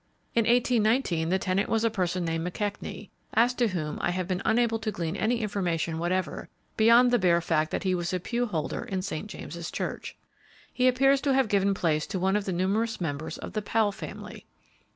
In 1819 the tenant was a person named McKechnie, as to whom I have been unable to glean any information whatever beyond the bare fact that he was a pewholder in St. James's church. He appears to have given place to one of the numerous members of the Powell family.